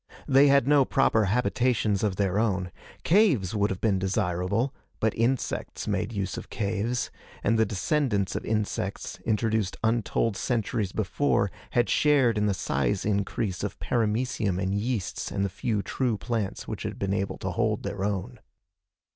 They had no proper habitations of their own. Caves would have been desirable, but insects made use of caves, and the descendants of insects introduced untold centuries before had shared in the size increase of paramecium and yeasts and the few true plants which had been able to hold their own.